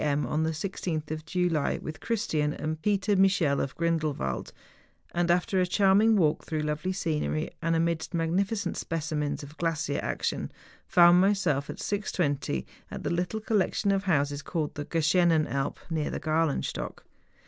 m. on the 16th of July, with Christian and Peter Michel of Grindelwald, and, after a charming walk through lovely scenery and amidst magnificent specimens of glacier action, found injself, at 6.20, at the little collection of houses called the Geschenen Alp (near the Galenstock).